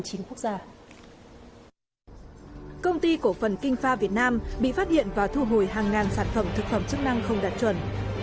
công ty cổ phần king fa việt nam bị phát hiện và thu hồi hàng ngàn sản phẩm thực phẩm chức năng không đạt chuẩn